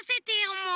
もう。